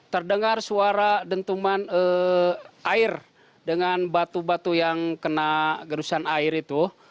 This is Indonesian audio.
terdengar suara dentuman air dengan batu batu yang kena gerusan air itu